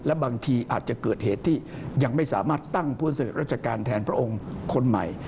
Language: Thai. และบางทีอาจจะเกิดเหตุที่ยังไม่สามารถตั้งพลเสด็จราชการแทนพระองค์คนใหม่